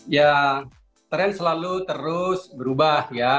ya tren selalu terus berubah ya